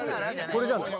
これじゃない？